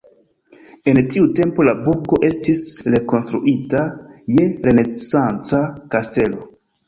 En tiu tempo la burgo estis rekonstruita je renesanca kastelo.